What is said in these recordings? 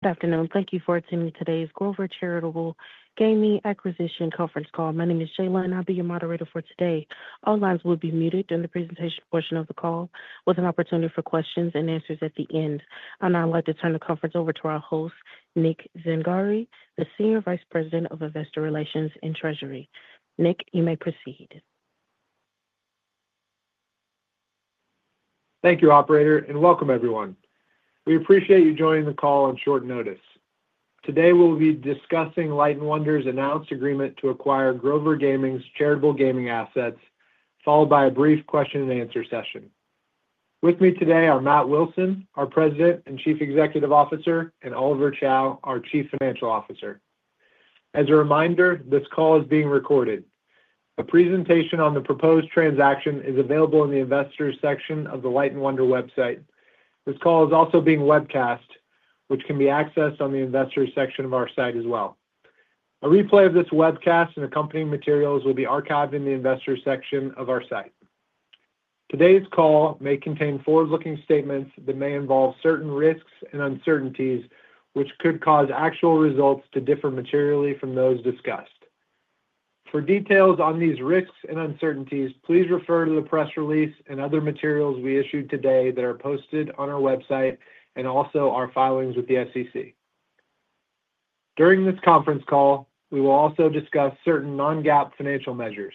Good afternoon. Thank you for attending today's Grover Charitable Gaming Acquisition Conference Call. My name is Jaylene. I'll be your moderator for today. All lines will be muted during the presentation portion of the call, with an opportunity for questions and answers at the end. I'd now like to turn the conference over to our host, Nick Zangari, the Senior Vice President of Investor Relations and Treasury. Nick, you may proceed. Thank you, Operator, and welcome, everyone. We appreciate you joining the call on short notice. Today, we'll be discussing Light & Wonder's announced agreement to acquire Grover Gaming's charitable gaming assets, followed by a brief question-and-answer session. With me today are Matt Wilson, our President and Chief Executive Officer, and Oliver Chow, our Chief Financial Officer. As a reminder, this call is being recorded. A presentation on the proposed transaction is available in the Investor's section of the Light & Wonder website. This call is also being webcast, which can be accessed on the Investor's section of our site as well. A replay of this webcast and accompanying materials will be archived in the Investor's section of our site. Today's call may contain forward-looking statements that may involve certain risks and uncertainties, which could cause actual results to differ materially from those discussed. For details on these risks and uncertainties, please refer to the press release and other materials we issued today that are posted on our website and also our filings with the SEC. During this conference call, we will also discuss certain non-GAAP financial measures.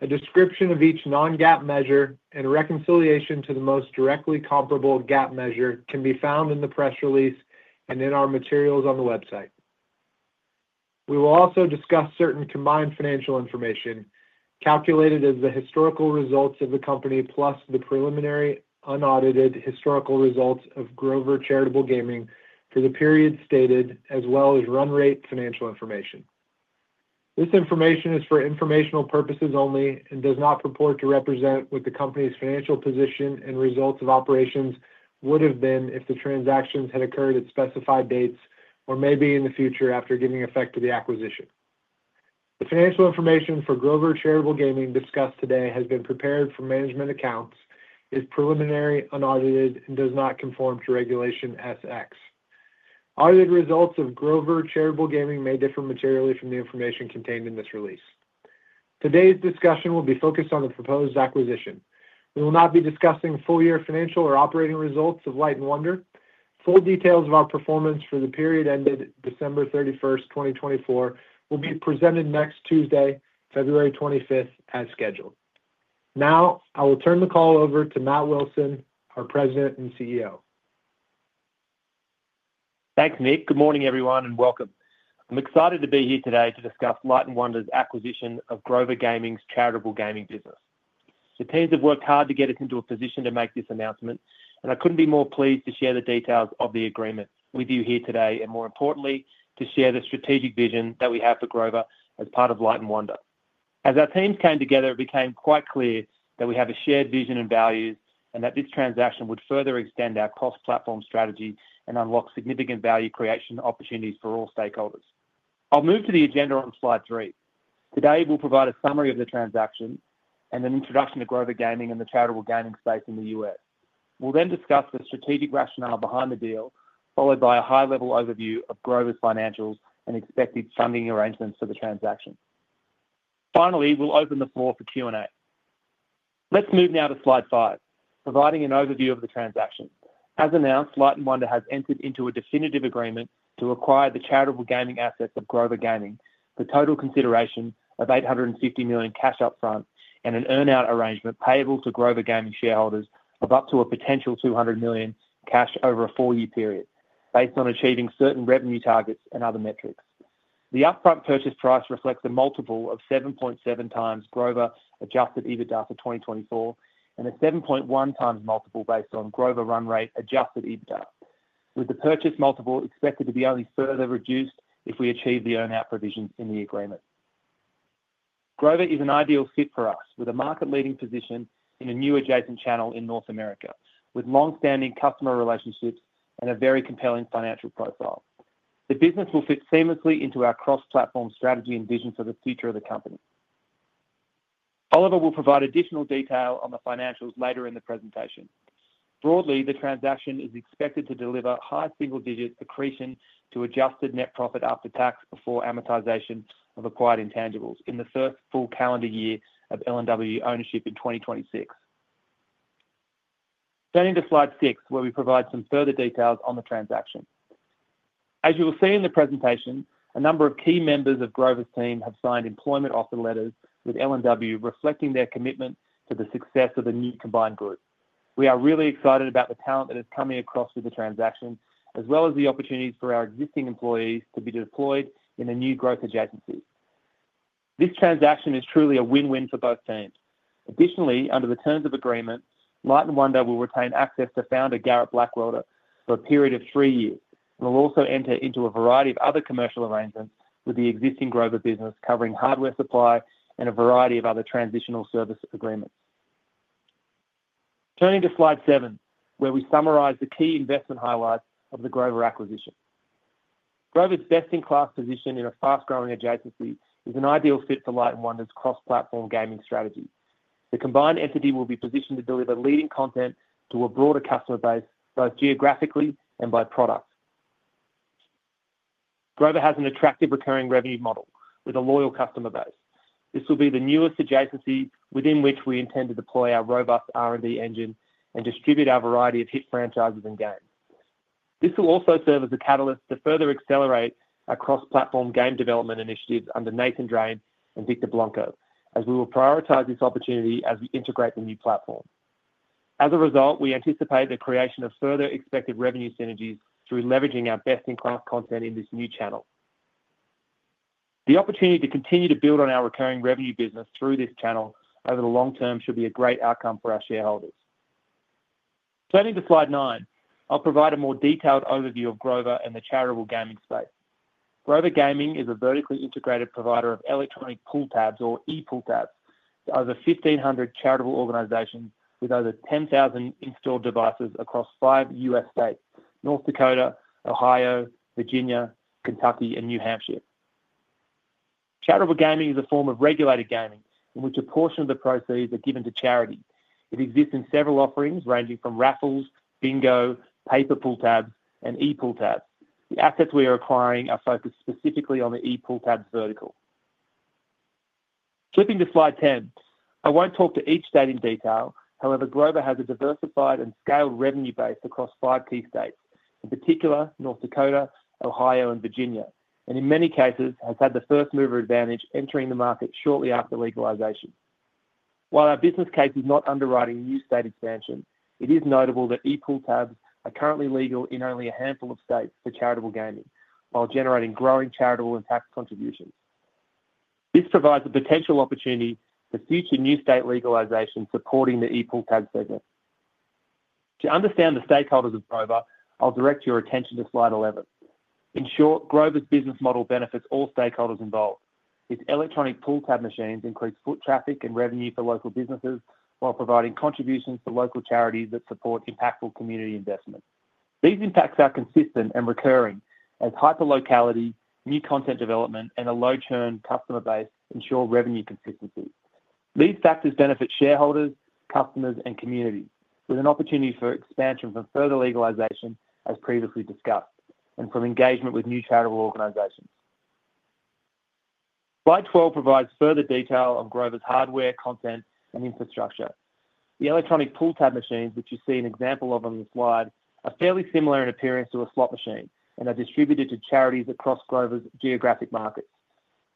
A description of each non-GAAP measure and reconciliation to the most directly comparable GAAP measure can be found in the press release and in our materials on the website. We will also discuss certain combined financial information calculated as the historical results of the company plus the preliminary unaudited historical results of Grover Gaming for the period stated, as well as run rate financial information. This information is for informational purposes only and does not purport to represent what the company's financial position and results of operations would have been if the transactions had occurred at specified dates or maybe in the future after giving effect to the acquisition. The financial information for Grover Gaming discussed today has been prepared for management accounts, is preliminary, unaudited, and does not conform to Regulation S-X. Audited results of Grover Gaming may differ materially from the information contained in this release. Today's discussion will be focused on the proposed acquisition. We will not be discussing full-year financial or operating results of Light & Wonder. Full details of our performance for the period ended December 31st, 2024, will be presented next Tuesday, February 25th, as scheduled. Now, I will turn the call over to Matt Wilson, our President and CEO. Thanks, Nick. Good morning, everyone, and welcome. I'm excited to be here today to discuss Light & Wonder's acquisition of Grover Gaming's charitable gaming business. The teams have worked hard to get us into a position to make this announcement, and I couldn't be more pleased to share the details of the agreement with you here today and, more importantly, to share the strategic vision that we have for Grover as part of Light & Wonder. As our teams came together, it became quite clear that we have a shared vision and values and that this transaction would further extend our cross-platform strategy and unlock significant value creation opportunities for all stakeholders. I'll move to the agenda on slide three. Today, we'll provide a summary of the transaction and an introduction to Grover Gaming and the charitable gaming space in the U.S. We'll then discuss the strategic rationale behind the deal, followed by a high-level overview of Grover's financials and expected funding arrangements for the transaction. Finally, we'll open the floor for Q&A. Let's move now to slide five, providing an overview of the transaction. As announced, Light & Wonder has entered into a definitive agreement to acquire the charitable gaming assets of Grover Gaming. The total consideration of $850 million cash upfront and an earnout arrangement payable to Grover Gaming shareholders of up to a potential $200 million cash over a four-year period, based on achieving certain revenue targets and other metrics. The upfront purchase price reflects a multiple of 7.7 times Grover Adjusted EBITDA for 2024 and a 7.1 times multiple based on Grover run rate Adjusted EBITDA, with the purchase multiple expected to be only further reduced if we achieve the earnout provisions in the agreement. Grover is an ideal fit for us, with a market-leading position in a new adjacent channel in North America, with long-standing customer relationships and a very compelling financial profile. The business will fit seamlessly into our cross-platform strategy and vision for the future of the company. Oliver will provide additional detail on the financials later in the presentation. Broadly, the transaction is expected to deliver high single-digit accretion to adjusted net profit after tax before amortization of acquired intangibles in the first full calendar year of L&W ownership in 2026. Turning to slide six, where we provide some further details on the transaction. As you will see in the presentation, a number of key members of Grover's team have signed employment offer letters with L&W, reflecting their commitment to the success of the new combined group. We are really excited about the talent that is coming across with the transaction, as well as the opportunities for our existing employees to be deployed in a new growth agency. This transaction is truly a win-win for both teams. Additionally, under the terms of agreement, Light & Wonder will retain access to founder Garrett Blackwelder for a period of three years and will also enter into a variety of other commercial arrangements with the existing Grover business, covering hardware supply and a variety of other transitional service agreements. Turning to slide seven, where we summarize the key investment highlights of the Grover acquisition. Grover's best-in-class position in a fast-growing adjacency is an ideal fit for Light & Wonder's cross-platform gaming strategy. The combined entity will be positioned to deliver leading content to a broader customer base, both geographically and by product. Grover has an attractive recurring revenue model with a loyal customer base. This will be the newest adjacency within which we intend to deploy our robust R&D engine and distribute our variety of hit franchises and games. This will also serve as a catalyst to further accelerate our cross-platform game development initiatives under Nathan Drane and Victor Blanco, as we will prioritize this opportunity as we integrate the new platform. As a result, we anticipate the creation of further expected revenue synergies through leveraging our best-in-class content in this new channel. The opportunity to continue to build on our recurring revenue business through this channel over the long term should be a great outcome for our shareholders. Turning to slide nine, I'll provide a more detailed overview of Grover and the charitable gaming space. Grover Gaming is a vertically integrated provider of electronic pull-tabs, or e-pull tabs, to over 1,500 charitable organizations with over 10,000 installed devices across five U.S. states: North Dakota, Ohio, Virginia, Kentucky, and New Hampshire. Charitable gaming is a form of regulated gaming in which a portion of the proceeds are given to charity. It exists in several offerings ranging from raffles, bingo, paper pull-tabs, and e-pull tabs. The assets we are acquiring are focused specifically on the e-pull tabs vertical. Flipping to slide 10, I won't talk to each state in detail. However, Grover has a diversified and scaled revenue base across five key states, in particular North Dakota, Ohio, and Virginia, and in many cases has had the first mover advantage entering the market shortly after legalization. While our business case is not underwriting new state expansion, it is notable that e-pull tabs are currently legal in only a handful of states for charitable gaming, while generating growing charitable impact contributions. This provides a potential opportunity for future new state legalization supporting the e-pull tab segment. To understand the stakeholders of Grover, I'll direct your attention to slide 11. In short, Grover's business model benefits all stakeholders involved. Its electronic pull-tab machines increase foot traffic and revenue for local businesses while providing contributions to local charities that support impactful community investment. These impacts are consistent and recurring, as hyperlocality, new content development, and a low-turn customer base ensure revenue consistency. These factors benefit shareholders, customers, and communities, with an opportunity for expansion from further legalization, as previously discussed, and from engagement with new charitable organizations. Slide 12 provides further detail of Grover's hardware, content, and infrastructure. The electronic pull-tab machines, which you see an example of on the slide, are fairly similar in appearance to a slot machine and are distributed to charities across Grover's geographic markets.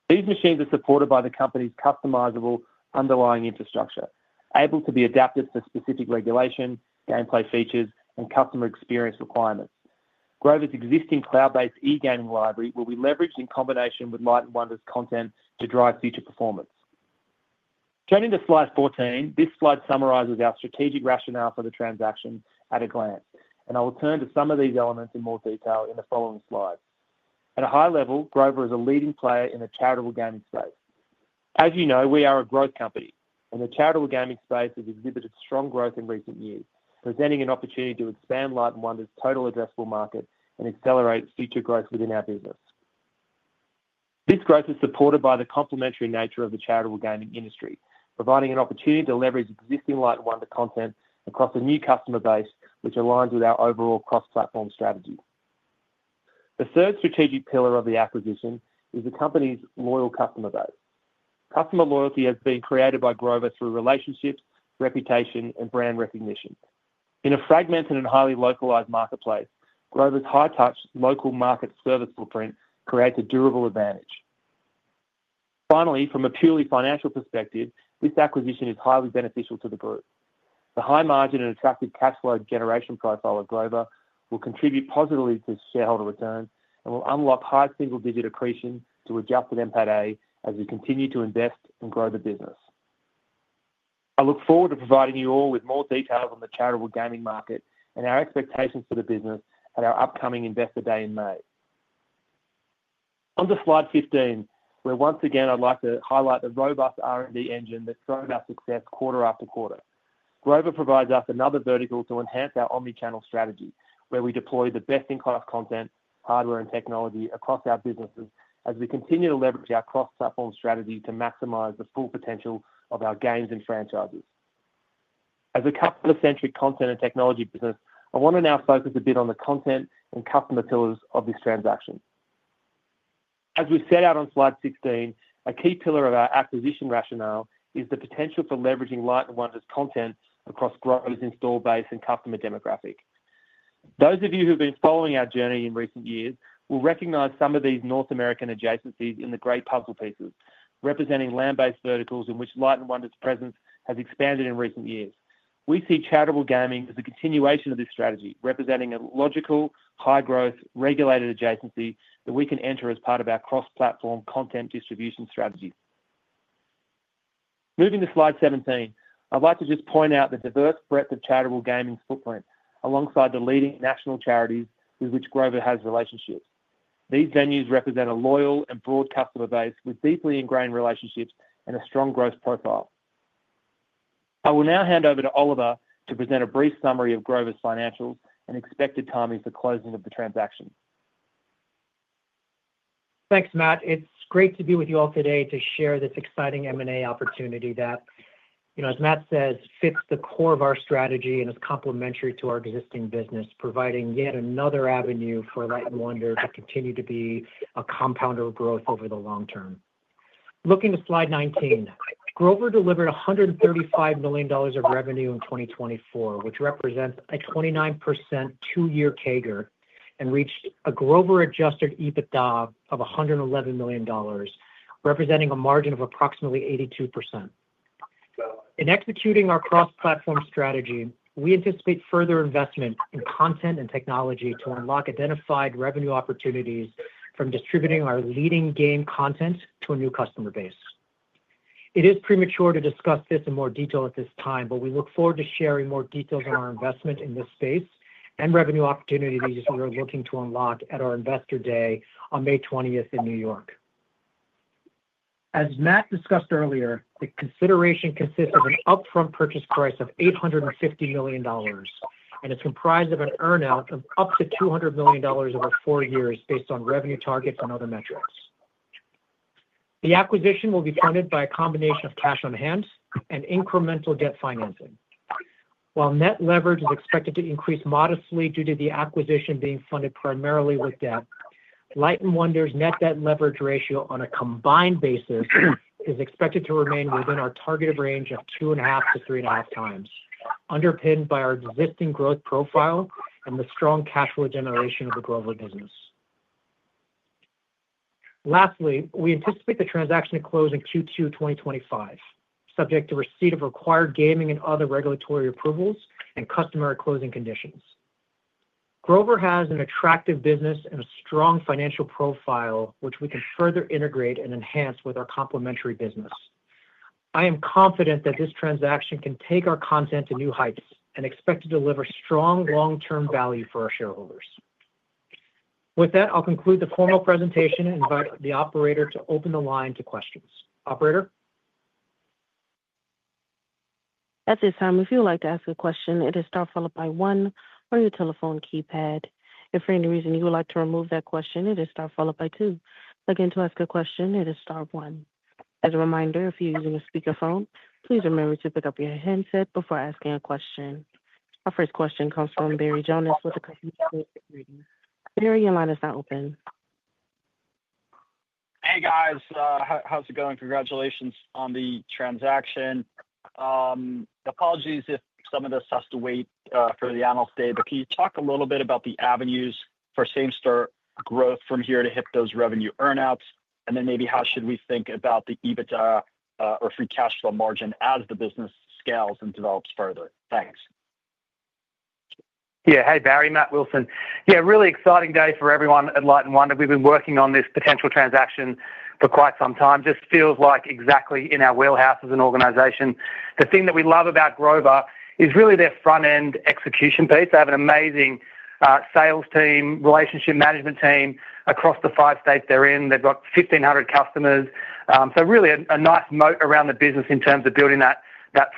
These machines are supported by the company's customizable underlying infrastructure, able to be adapted for specific regulation, gameplay features, and customer experience requirements. Grover's existing cloud-based e-gaming library will be leveraged in combination with Light & Wonder's content to drive future performance. Turning to slide 14, this slide summarizes our strategic rationale for the transaction at a glance, and I will turn to some of these elements in more detail in the following slides. At a high level, Grover is a leading player in the charitable gaming space. As you know, we are a growth company, and the charitable gaming space has exhibited strong growth in recent years, presenting an opportunity to expand Light & Wonder's total addressable market and accelerate future growth within our business. This growth is supported by the complementary nature of the charitable gaming industry, providing an opportunity to leverage existing Light & Wonder content across a new customer base, which aligns with our overall cross-platform strategy. The third strategic pillar of the acquisition is the company's loyal customer base. Customer loyalty has been created by Grover through relationships, reputation, and brand recognition. In a fragmented and highly localized marketplace, Grover's high-touch local market service footprint creates a durable advantage. Finally, from a purely financial perspective, this acquisition is highly beneficial to the group. The high margin and attractive cash flow generation profile of Grover will contribute positively to shareholder returns and will unlock high single-digit accretion to Adjusted NPATA as we continue to invest and grow the business. I look forward to providing you all with more details on the charitable gaming market and our expectations for the business at our upcoming investor day in May. On to slide 15, where once again I'd like to highlight the robust R&D engine that drove our success quarter after quarter. Grover provides us another vertical to enhance our omnichannel strategy, where we deploy the best-in-class content, hardware, and technology across our businesses as we continue to leverage our cross-platform strategy to maximize the full potential of our games and franchises. As a customer-centric content and technology business, I want to now focus a bit on the content and customer pillars of this transaction. As we set out on slide 16, a key pillar of our acquisition rationale is the potential for leveraging Light & Wonder's content across Grover's install base and customer demographic. Those of you who have been following our journey in recent years will recognize some of these North American adjacencies in the great puzzle pieces, representing land-based verticals in which Light & Wonder's presence has expanded in recent years. We see charitable gaming as a continuation of this strategy, representing a logical, high-growth, regulated adjacency that we can enter as part of our cross-platform content distribution strategy. Moving to slide 17, I'd like to just point out the diverse breadth of charitable gaming's footprint alongside the leading national charities with which Grover has relationships. These venues represent a loyal and broad customer base with deeply ingrained relationships and a strong growth profile. I will now hand over to Oliver to present a brief summary of Grover's financials and expected timing for closing of the transaction. Thanks, Matt. It's great to be with you all today to share this exciting M&A opportunity that, as Matt says, fits the core of our strategy and is complementary to our existing business, providing yet another avenue for Light & Wonder to continue to be a compounder of growth over the long term. Looking to slide 19, Grover delivered $135 million of revenue in 2024, which represents a 29% two-year CAGR and reached a Grover-adjusted EBITDA of $111 million, representing a margin of approximately 82%. In executing our cross-platform strategy, we anticipate further investment in content and technology to unlock identified revenue opportunities from distributing our leading game content to a new customer base. It is premature to discuss this in more detail at this time, but we look forward to sharing more details on our investment in this space and revenue opportunities we are looking to unlock at our investor day on May 20th in New York. As Matt discussed earlier, the consideration consists of an upfront purchase price of $850 million and is comprised of an earnout of up to $200 million over four years based on revenue targets and other metrics. The acquisition will be funded by a combination of cash on hand and incremental debt financing. While net leverage is expected to increase modestly due to the acquisition being funded primarily with debt, Light & Wonder's net debt leverage ratio on a combined basis is expected to remain within our targeted range of two and a half to three and a half times, underpinned by our existing growth profile and the strong cash flow generation of the Grover business. Lastly, we anticipate the transaction to close in Q2 2025, subject to receipt of required gaming and other regulatory approvals and customer closing conditions. Grover has an attractive business and a strong financial profile, which we can further integrate and enhance with our complementary business. I am confident that this transaction can take our content to new heights and expect to deliver strong long-term value for our shareholders. With that, I'll conclude the formal presentation and invite the operator to open the line to questions. Operator? At this time, if you would like to ask a question, it is star followed by one on your telephone keypad. If for any reason you would like to remove that question, it is star followed by two. Again, to ask a question, it is star one. As a reminder, if you're using a speakerphone, please remember to pick up your headset before asking a question. Our first question comes from Barry Jonas with the company. Barry, your line is now open. Hey, guys. How's it going? Congratulations on the transaction. Apologies if some of this has to wait for the analyst day, but can you talk a little bit about the avenues for same-store growth from here to hit those revenue earnouts? And then maybe how should we think about the EBITDA or free cash flow margin as the business scales and develops further? Thanks. Yeah. Hey, Barry. Matt Wilson. Yeah, really exciting day for everyone at Light & Wonder. We've been working on this potential transaction for quite some time. Just feels like exactly in our wheelhouse as an organization. The thing that we love about Grover is really their front-end execution piece. They have an amazing sales team, relationship management team across the five states they're in. They've got 1,500 customers. So really a nice moat around the business in terms of building that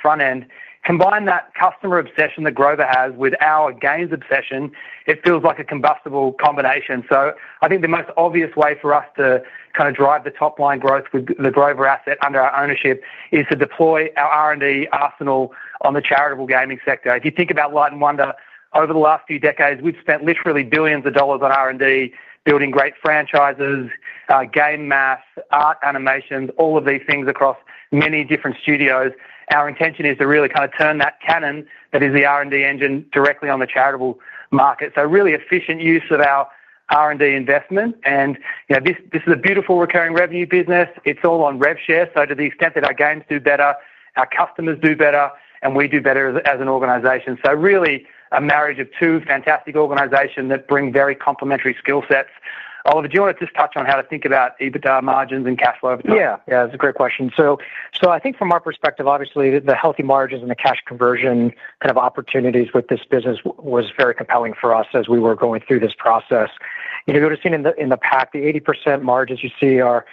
front-end. Combine that customer obsession that Grover has with our games obsession. It feels like a combustible combination. So I think the most obvious way for us to kind of drive the top-line growth with the Grover asset under our ownership is to deploy our R&D arsenal on the charitable gaming sector. If you think about Light & Wonder, over the last few decades, we've spent literally $ billions on R&D, building great franchises, game maps, art animations, all of these things across many different studios. Our intention is to really kind of turn that cannon that is the R&D engine directly on the charitable market. So really efficient use of our R&D investment. And this is a beautiful recurring revenue business. It's all on rev share. So to the extent that our games do better, our customers do better, and we do better as an organization. So really a marriage of two fantastic organizations that bring very complementary skill sets. Oliver, do you want to just touch on how to think about EBITDA margins and cash flow? Yeah. Yeah, that's a great question. So I think from our perspective, obviously, the healthy margins and the cash conversion kind of opportunities with this business were very compelling for us as we were going through this process. You'll have seen in the past, the 80% margins you see are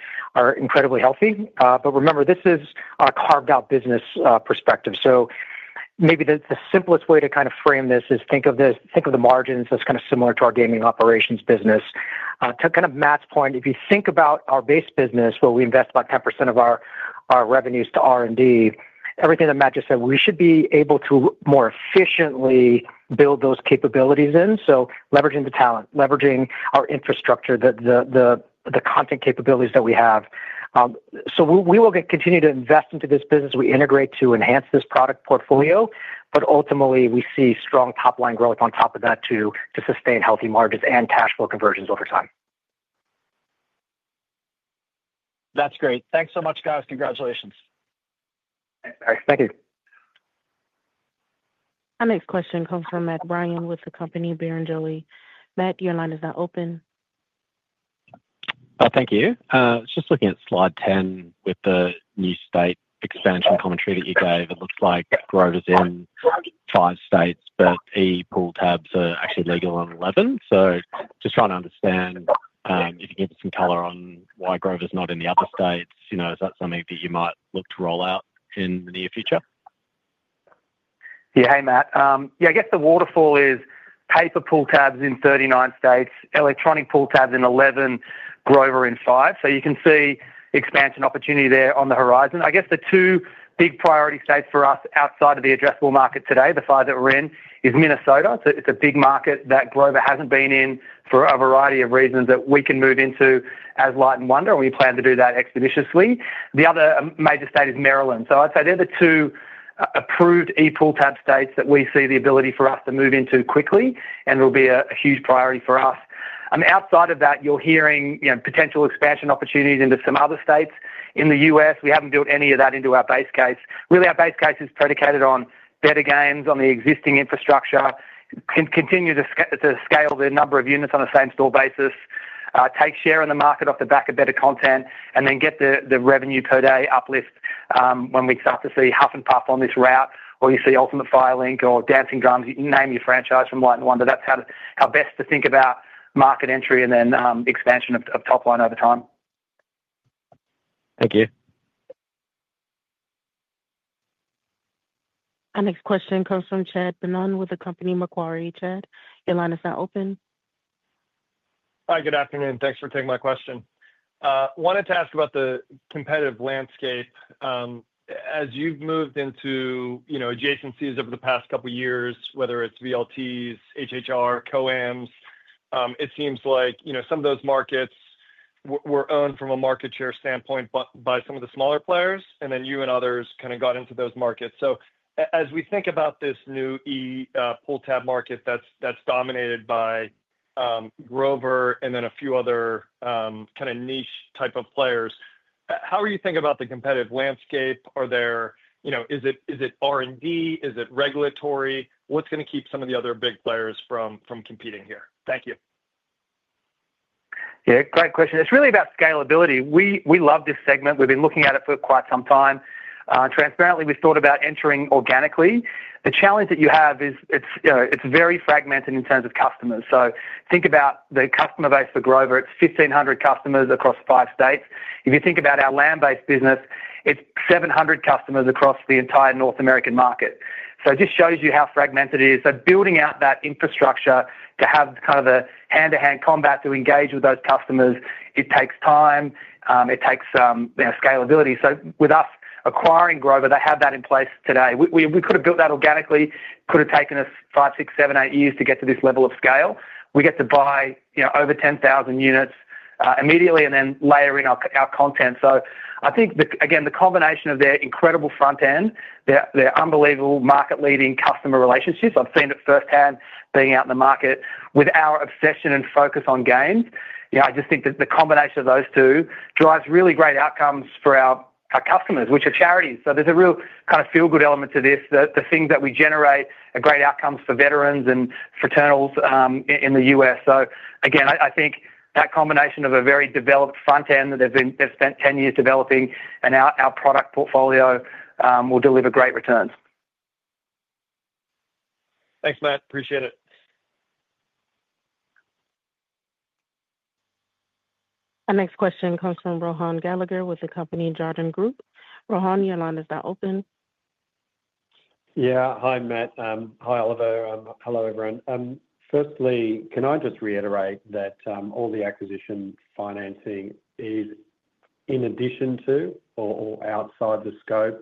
incredibly healthy. But remember, this is our carved-out business perspective. So maybe the simplest way to kind of frame this is think of the margins as kind of similar to our gaming operations business. To kind of Matt's point, if you think about our base business, where we invest about 10% of our revenues to R&D, everything that Matt just said, we should be able to more efficiently build those capabilities in. So leveraging the talent, leveraging our infrastructure, the content capabilities that we have. So we will continue to invest into this business. We integrate to enhance this product portfolio, but ultimately, we see strong top-line growth on top of that to sustain healthy margins and cash flow conversions over time. That's great. Thanks so much, guys. Congratulations. Thanks, Barry. Thank you. Our next question comes from Matt Ryan with the company Barclays. Matt, your line is now open. Oh, thank you. Just looking at slide 10 with the new state expansion commentary that you gave. It looks like Grover's in five states, but e-pull tabs are actually legal in 11. So just trying to understand if you can give us some color on why Grover's not in the other states. Is that something that you might look to roll out in the near future? Yeah. Hey, Matt. Yeah, I guess the waterfall is paper pull-tabs in 39 states, electronic pull-tabs in 11, Grover in five. So you can see expansion opportunity there on the horizon. I guess the two big priority states for us outside of the addressable market today, the five that we're in, is Minnesota. It's a big market that Grover hasn't been in for a variety of reasons that we can move into as Light & Wonder, and we plan to do that expeditiously. The other major state is Maryland. So I'd say they're the two approved e-pull-tab states that we see the ability for us to move into quickly, and it'll be a huge priority for us. Outside of that, you're hearing potential expansion opportunities into some other states. In the U.S., we haven't built any of that into our base case. Really, our base case is predicated on better games, on the existing infrastructure, continue to scale the number of units on a same-store basis, take share in the market off the back of better content, and then get the revenue per day uplift when we start to see Huff N' Puff on this route, or you see Ultimate Fire Link, or Dancing Drums, you name your franchise from Light & Wonder. That's how best to think about market entry and then expansion of top-line over time. Thank you. Our next question comes from Chad Beynon with the company Macquarie. Your line is now open. Hi, good afternoon. Thanks for taking my question. Wanted to ask about the competitive landscape. As you've moved into adjacencies over the past couple of years, whether it's VLTs, HHR, COAMs, it seems like some of those markets were owned from a market share standpoint by some of the smaller players, and then you and others kind of got into those markets. So as we think about this new e-pull-tab market that's dominated by Grover and then a few other kind of niche type of players, how are you thinking about the competitive landscape? Is it R&D? Is it regulatory? What's going to keep some of the other big players from competing here? Thank you. Yeah, great question. It's really about scalability. We love this segment. We've been looking at it for quite some time. Transparently, we thought about entering organically. The challenge that you have is it's very fragmented in terms of customers. So think about the customer base for Grover. It's 1,500 customers across five states. If you think about our land-based business, it's 700 customers across the entire North American market. So it just shows you how fragmented it is. So building out that infrastructure to have kind of a hand-to-hand combat to engage with those customers, it takes time. It takes scalability. So with us acquiring Grover, they have that in place today. We could have built that organically. It could have taken us five, six, seven, eight years to get to this level of scale. We get to buy over 10,000 units immediately and then layer in our content. So I think, again, the combination of their incredible front-end, their unbelievable market-leading customer relationships, I've seen it firsthand being out in the market, with our obsession and focus on games, I just think that the combination of those two drives really great outcomes for our customers, which are charities. So there's a real kind of feel-good element to this, the things that we generate are great outcomes for veterans and fraternals in the U.S. So again, I think that combination of a very developed front-end that they've spent 10 years developing and our product portfolio will deliver great returns. Thanks, Matt. Appreciate it. Our next question comes from Rohan Gallagher with the company Jarden Group. Rohan, your line is now open. Yeah. Hi, Matt. Hi, Oliver. Hello, everyone. Firstly, can I just reiterate that all the acquisition financing is in addition to or outside the scope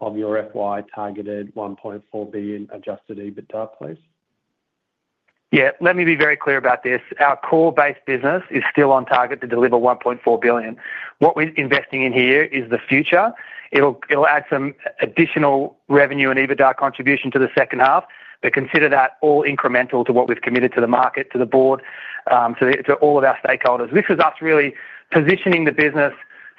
of your FY targeted $1.4 billion Adjusted EBITDA, please? Yeah. Let me be very clear about this. Our core-based business is still on target to deliver $1.4 billion. What we're investing in here is the future. It'll add some additional revenue and EBITDA contribution to the second half, but consider that all incremental to what we've committed to the market, to the board, to all of our stakeholders. This is us really positioning the business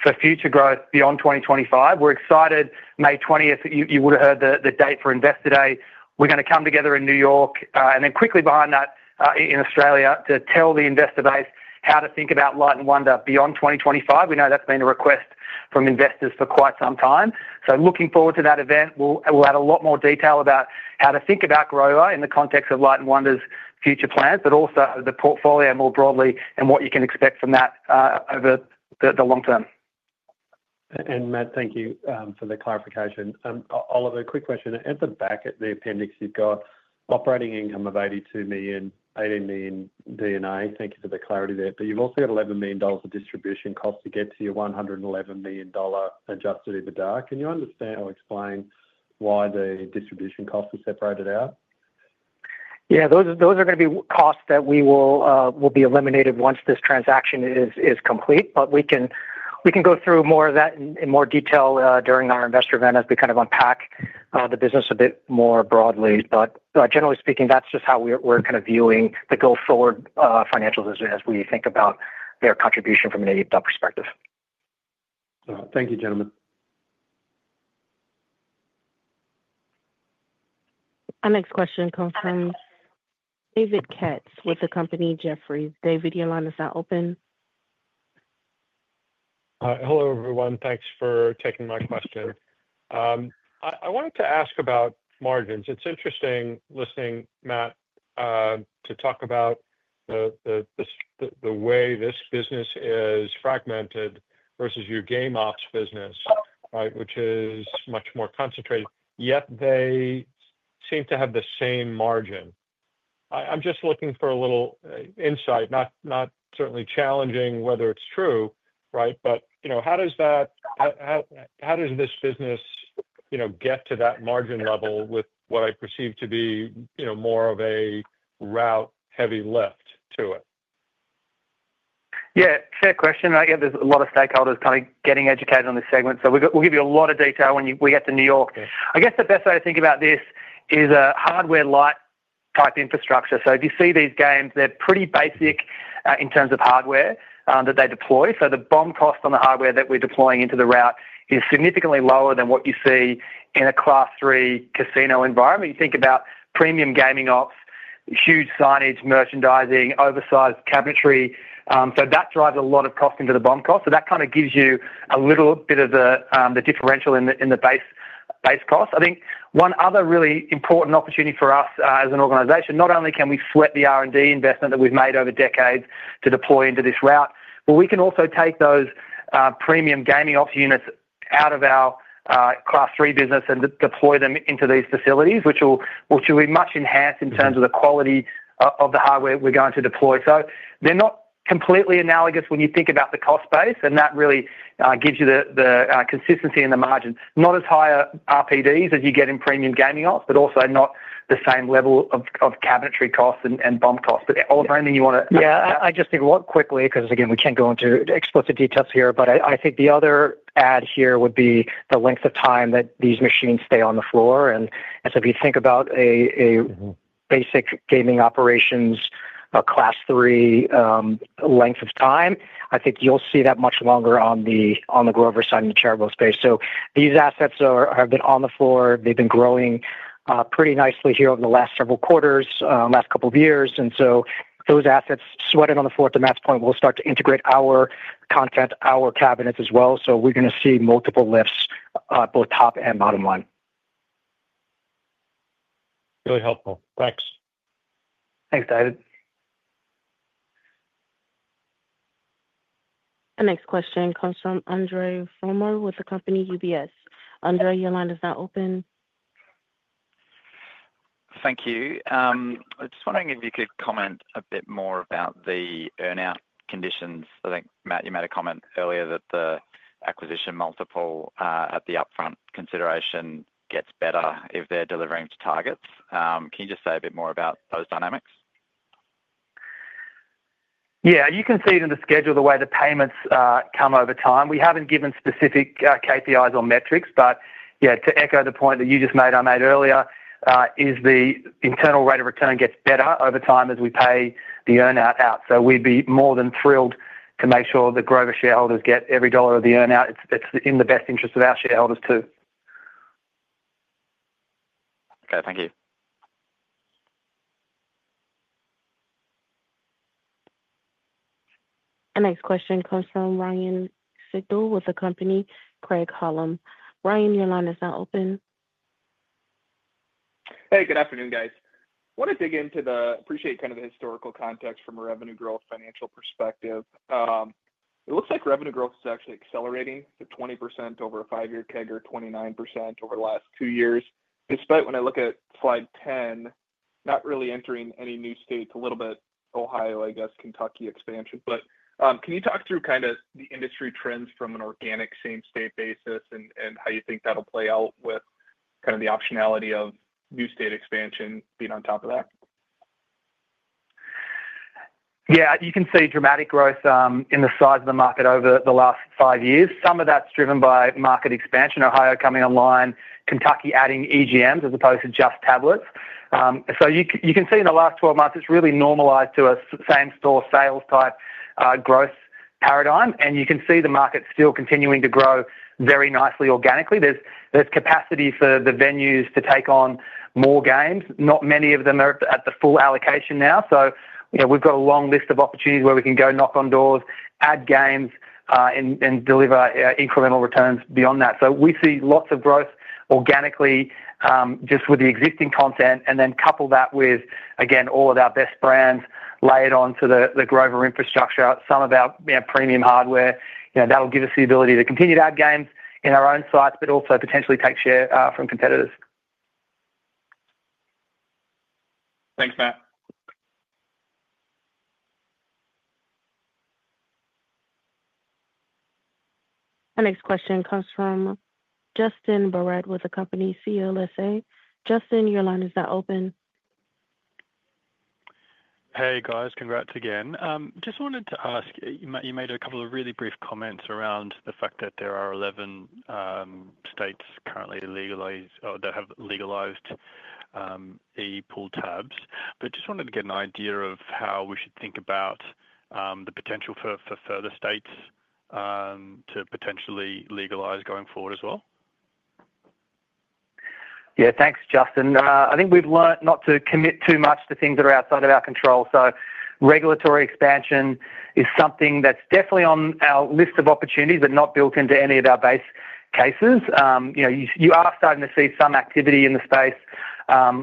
for future growth beyond 2025. We're excited. May 20th, you would have heard the date for Investor Day. We're going to come together in New York and then quickly behind that in Australia to tell the investor base how to think about Light & Wonder beyond 2025. We know that's been a request from investors for quite some time. So looking forward to that event. We'll add a lot more detail about how to think about Grover in the context of Light & Wonder's future plans, but also the portfolio more broadly and what you can expect from that over the long term. Matt, thank you for the clarification. Oliver, quick question. At the back of the appendix, you've got operating income of $82 million, $18 million D&A. Thank you for the clarity there. But you've also got $11 million of distribution costs to get to your $111 million Adjusted EBITDA. Can you understand or explain why the distribution costs are separated out? Yeah. Those are going to be costs that will be eliminated once this transaction is complete. But we can go through more of that in more detail during our investor event as we kind of unpack the business a bit more broadly. But generally speaking, that's just how we're kind of viewing the go-forward financials as we think about their contribution from an EBITDA perspective. Thank you, gentlemen. Our next question comes from David Katz with the company Jefferies. David, your line is now open. Hello, everyone. Thanks for taking my question. I wanted to ask about margins. It's interesting listening, Matt, to talk about the way this business is fragmented versus your game ops business, which is much more concentrated, yet they seem to have the same margin. I'm just looking for a little insight, not certainly challenging whether it's true, right? But how does this business get to that margin level with what I perceive to be more of a route-heavy lift to it? Yeah. Fair question. There's a lot of stakeholders kind of getting educated on this segment. So we'll give you a lot of detail when we get to New York. I guess the best way to think about this is hardware light-type infrastructure. So if you see these games, they're pretty basic in terms of hardware that they deploy. So the BOM cost on the hardware that we're deploying into the route is significantly lower than what you see in a Class III casino environment. You think about premium gaming ops, huge signage, merchandising, oversized cabinetry. So that drives a lot of cost into the BOM cost. So that kind of gives you a little bit of the differential in the base cost. I think one other really important opportunity for us as an organization, not only can we sweat the R&D investment that we've made over decades to deploy into this route, but we can also take those premium gaming ops units out of our Class III business and deploy them into these facilities, which will be much enhanced in terms of the quality of the hardware we're going to deploy. So they're not completely analogous when you think about the cost base, and that really gives you the consistency in the margin. Not as high RPDs as you get in premium gaming ops, but also not the same level of cabinetry costs and BOM costs. But Oliver, anything you want to add? Yeah. I just think a lot quickly because, again, we can't go into explicit details here, but I think the other add here would be the length of time that these machines stay on the floor. And so if you think about a basic gaming operations Class 3 length of time, I think you'll see that much longer on the Grover side in the charitable space. So these assets have been on the floor. They've been growing pretty nicely here over the last several quarters, last couple of years. And so those assets sweated on the floor, to Matt's point, will start to integrate our content, our cabinets as well. So we're going to see multiple lifts, both top and bottom line. Really helpful. Thanks. Thanks, David. Our next question comes from Andrew Fromyhr with the company UBS. Andrew, your line is now open. Thank you. I was just wondering if you could comment a bit more about the earnout conditions. I think, Matt, you made a comment earlier that the acquisition multiple at the upfront consideration gets better if they're delivering to targets. Can you just say a bit more about those dynamics? Yeah. You can see it in the schedule, the way the payments come over time. We haven't given specific KPIs or metrics, but yeah, to echo the point that you just made, I made earlier, is the internal rate of return gets better over time as we pay the earnout out. So we'd be more than thrilled to make sure that Grover shareholders get every dollar of the earnout. It's in the best interest of our shareholders too. Okay. Thank you. Our next question comes from Ryan Sigdahl with the company Craig-Hallum Capital Group. Ryan, your line is now open. Hey, good afternoon, guys. I want to dig into and appreciate kind of the historical context from a revenue growth financial perspective. It looks like revenue growth is actually accelerating to 20% over a five-year CAGR, 29% over the last two years, despite when I look at slide 10, not really entering any new states, a little bit Ohio, I guess, Kentucky expansion. But can you talk through kind of the industry trends from an organic same-state basis and how you think that'll play out with kind of the optionality of new state expansion being on top of that? Yeah. You can see dramatic growth in the size of the market over the last five years. Some of that's driven by market expansion, Ohio coming online, Kentucky adding EGMs as opposed to just tablets. So you can see in the last 12 months, it's really normalized to a same-store sales type growth paradigm. And you can see the market still continuing to grow very nicely organically. There's capacity for the venues to take on more games. Not many of them are at the full allocation now. So we've got a long list of opportunities where we can go knock on doors, add games, and deliver incremental returns beyond that. So we see lots of growth organically just with the existing content and then couple that with, again, all of our best brands layered onto the Grover infrastructure, some of our premium hardware. That'll give us the ability to continue to add games in our own sites, but also potentially take share from competitors. Thanks, Matt. Our next question comes from Justin Barratt with the company CLSA. Justin, your line is now open. Hey, guys. Congrats again. Just wanted to ask, you made a couple of really brief comments around the fact that there are 11 states currently legalized or that have legalized e-pull tabs. But just wanted to get an idea of how we should think about the potential for further states to potentially legalize going forward as well. Yeah. Thanks, Justin. I think we've learned not to commit too much to things that are outside of our control. So regulatory expansion is something that's definitely on our list of opportunities, but not built into any of our base cases. You are starting to see some activity in the space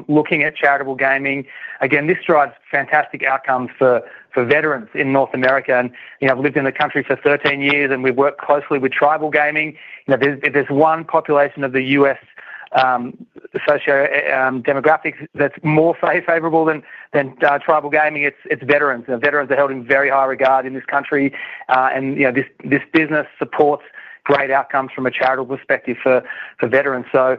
looking at charitable gaming. Again, this drives fantastic outcomes for veterans in North America. And I've lived in the country for 13 years, and we've worked closely with tribal gaming. If there's one population of the U.S. sociodemographics that's more favorable than tribal gaming, it's veterans. Veterans are held in very high regard in this country. And this business supports great outcomes from a charitable perspective for veterans. So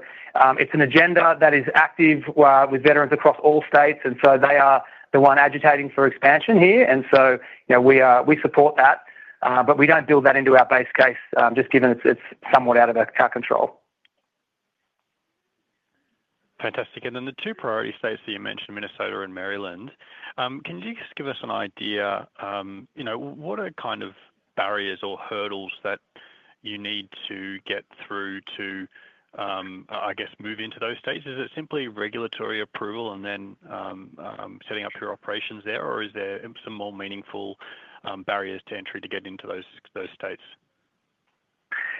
it's an agenda that is active with veterans across all states. And so they are the one agitating for expansion here. And so we support that. But we don't build that into our base case, just given it's somewhat out of our control. Fantastic. And then the two priority states that you mentioned, Minnesota and Maryland, can you just give us an idea what are kind of barriers or hurdles that you need to get through to, I guess, move into those states? Is it simply regulatory approval and then setting up your operations there? Or is there some more meaningful barriers to entry to get into those states?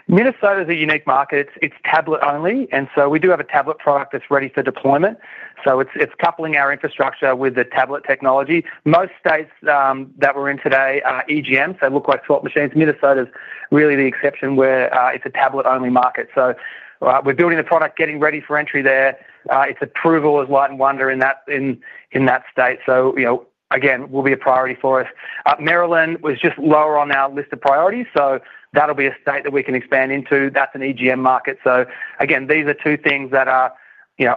Minnesota is a unique market. It's tablet-only. And so we do have a tablet product that's ready for deployment. So it's coupling our infrastructure with the tablet technology. Most states that we're in today are EGMs, so look-alike swap machines. Minnesota is really the exception where it's a tablet-only market. So we're building a product, getting ready for entry there. It's approval is Light & Wonder in that state. So again, will be a priority for us. Maryland was just lower on our list of priorities. So that'll be a state that we can expand into. That's an EGM market. So again, these are two things that are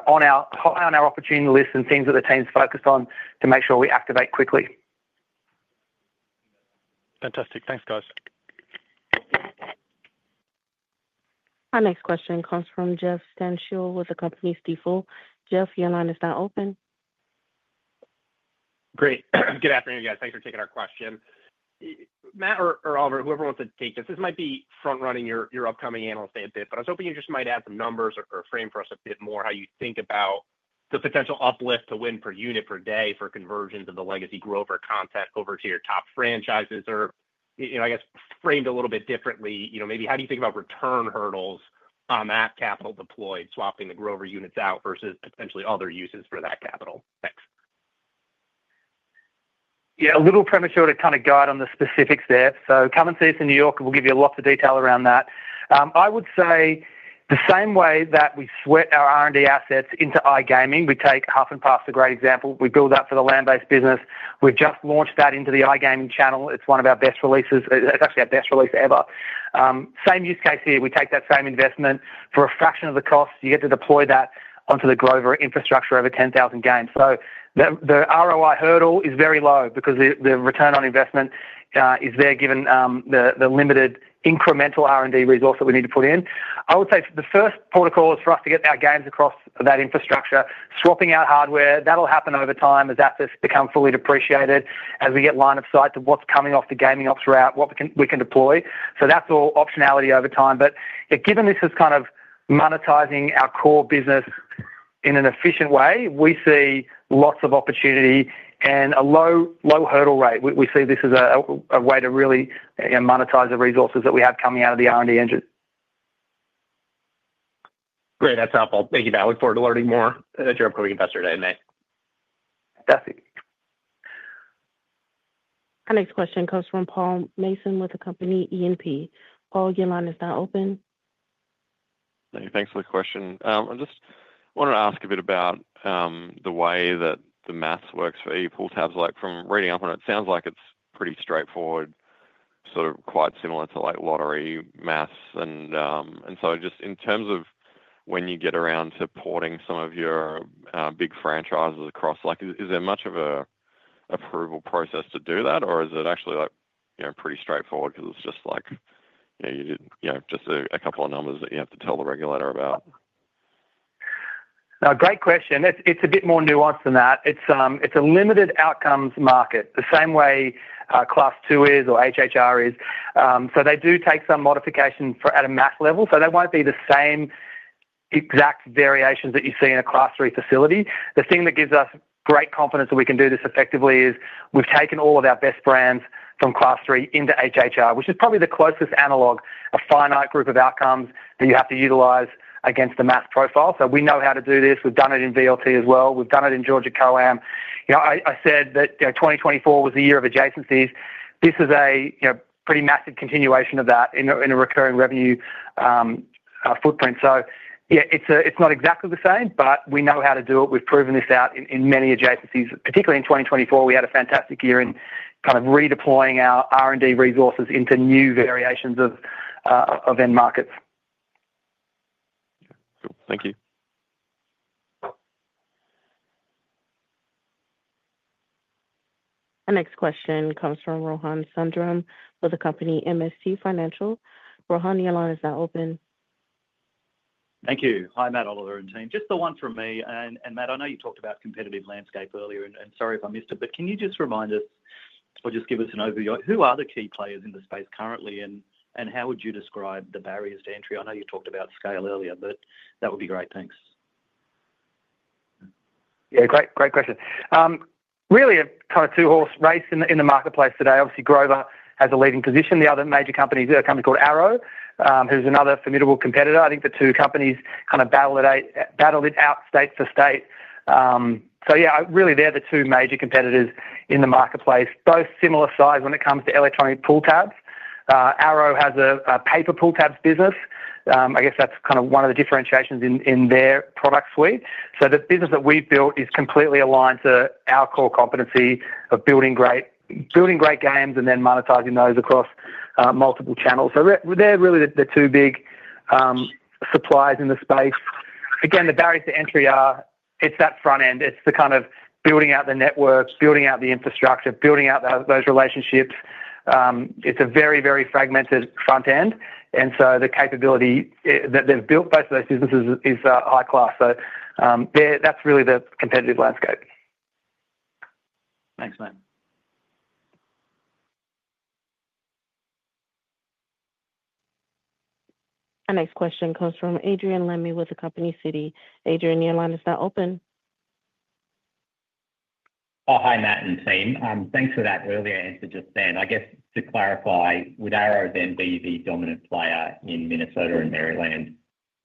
on our opportunity list and things that the team's focused on to make sure we activate quickly. Fantastic. Thanks, guys. Our next question comes from Jeff Stantial with the company Stifel. Jeff, your line is now open. Great. Good afternoon, guys. Thanks for taking our question. Matt or Oliver, whoever wants to take this, this might be front-running your upcoming analyst day a bit, but I was hoping you just might add some numbers or frame for us a bit more how you think about the potential uplift to win per unit per day for conversions of the legacy Grover content over to your top franchises or, I guess, framed a little bit differently. Maybe how do you think about return hurdles on that capital deployed, swapping the Grover units out versus potentially other uses for that capital? Thanks. Yeah. A little premature to kind of guide on the specifics there. So come and see us in New York. We'll give you lots of detail around that. I would say the same way that we sweat our R&D assets into iGaming, we take Huff N' Puff a great example. We build that for the land-based business. We've just launched that into the iGaming channel. It's one of our best releases. It's actually our best release ever. Same use case here. We take that same investment for a fraction of the cost. You get to deploy that onto the Grover infrastructure over 10,000 games. So the ROI hurdle is very low because the return on investment is there given the limited incremental R&D resource that we need to put in. I would say the first protocol is for us to get our games across that infrastructure, swapping out hardware. That'll happen over time as assets become fully depreciated, as we get line of sight to what's coming off the gaming ops route, what we can deploy. So that's all optionality over time. But given this is kind of monetizing our core business in an efficient way, we see lots of opportunity and a low hurdle rate. We see this as a way to really monetize the resources that we have coming out of the R&D engine. Great. That's helpful. Thank you, Matt. Look forward to learning more at your upcoming investor day, Matt. Fantastic. Our next question comes from Paul Mason with the company E&P. Paul, your line is now open. Thanks for the question. I just wanted to ask a bit about the way that the math works for e-pull tabs. From reading up on it, it sounds like it's pretty straightforward, sort of quite similar to lottery math. And so just in terms of when you get around to porting some of your big franchises across, is there much of an approval process to do that, or is it actually pretty straightforward because it's just like you did just a couple of numbers that you have to tell the regulator about? Great question. It's a bit more nuanced than that. It's a limited outcomes market, the same way Class II is or HHR is. So they do take some modification at a math level. So they won't be the same exact variations that you see in a Class III facility. The thing that gives us great confidence that we can do this effectively is we've taken all of our best brands from Class III into HHR, which is probably the closest analog, a finite group of outcomes that you have to utilize against the math profile. So we know how to do this. We've done it in VLT as well. We've done it in Georgia COAM. I said that 2024 was the year of adjacencies. This is a pretty massive continuation of that in a recurring revenue footprint. Yeah, it's not exactly the same, but we know how to do it. We've proven this out in many adjacencies. Particularly in 2024, we had a fantastic year in kind of redeploying our R&D resources into new variations of end markets. Cool. Thank you. Our next question comes from Rohan Sundram with the company MST Financial. Rohan, your line is now open. Thank you. Hi, Matt, Oliver, and team. Just the one from me. And Matt, I know you talked about competitive landscape earlier, and sorry if I missed it, but can you just remind us or just give us an overview? Who are the key players in the space currently, and how would you describe the barriers to entry? I know you talked about scale earlier, but that would be great. Thanks. Yeah. Great question. Really a kind of two-horse race in the marketplace today. Obviously, Grover has a leading position. The other major company is a company called Arrow, who's another formidable competitor. I think the two companies kind of battle it out state for state. So yeah, really they're the two major competitors in the marketplace, both similar size when it comes to electronic pull tabs. Arrow has a paper pull tabs business. I guess that's kind of one of the differentiations in their product suite. So the business that we've built is completely aligned to our core competency of building great games and then monetizing those across multiple channels. So they're really the two big suppliers in the space. Again, the barriers to entry are it's that front end. It's the kind of building out the network, building out the infrastructure, building out those relationships. It's a very, very fragmented front end. And so the capability that they've built both of those businesses is high class. So that's really the competitive landscape. Thanks, Matt. Our next question comes from Adrian Lemme with the company Citi. Adrian, your line is now open. Hi, Matt and team. Thanks for that earlier answer just then. I guess to clarify, would Arrow then be the dominant player in Minnesota and Maryland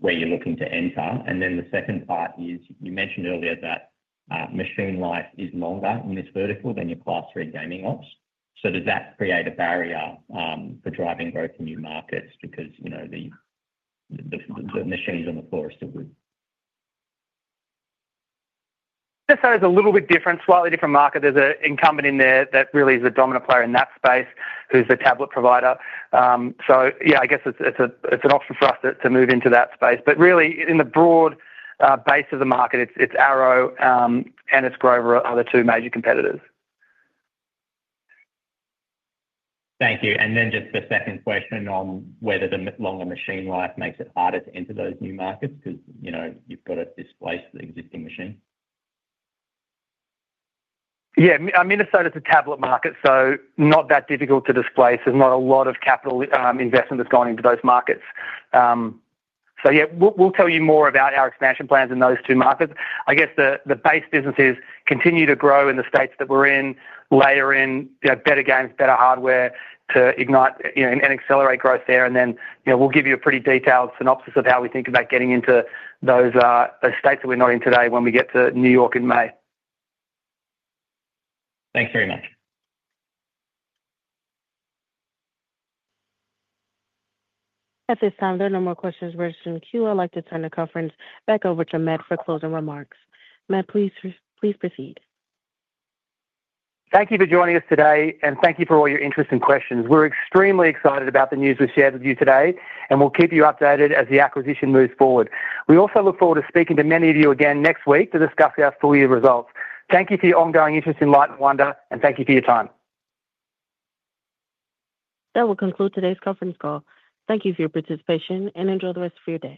where you're looking to enter? And then the second part is you mentioned earlier that machine life is longer in this vertical than your Class III gaming ops. So does that create a barrier for driving growth in new markets because the machines on the floor are still good? Minnesota is a little bit different, slightly different market. There's an incumbent in there that really is the dominant player in that space who's the tablet provider. So yeah, I guess it's an option for us to move into that space. But really, in the broad base of the market, it's Arrow and it's Grover, other two major competitors. Thank you. And then just the second question on whether the longer machine life makes it harder to enter those new markets because you've got to displace the existing machine. Yeah. Minnesota is a tablet market, so not that difficult to displace. There's not a lot of capital investment that's gone into those markets. So yeah, we'll tell you more about our expansion plans in those two markets. I guess the base businesses continue to grow in the states that we're in, layer in better games, better hardware to ignite and accelerate growth there. And then we'll give you a pretty detailed synopsis of how we think about getting into those states that we're not in today when we get to New York in May. Thanks very much. Mr. Sandler, no more questions raised from Q&A. I'd like to turn the conference back over to Matt for closing remarks. Matt, please proceed. Thank you for joining us today, and thank you for all your interest and questions. We're extremely excited about the news we shared with you today, and we'll keep you updated as the acquisition moves forward. We also look forward to speaking to many of you again next week to discuss our full year results. Thank you for your ongoing interest in Light & Wonder, and thank you for your time. That will conclude today's conference call. Thank you for your participation, and enjoy the rest of your day.